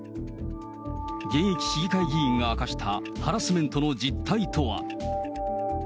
現役市議会議員が明かしたハラスメントの実態とは。